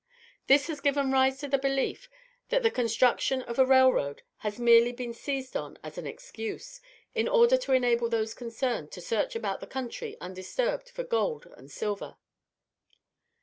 This has given rise to the belief that the construction of a railroad has merely been seized on as an excuse, in order to enable those concerned to search about the country undisturbed for gold and silver.